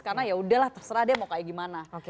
karena yaudahlah terserah deh mau kayak gimana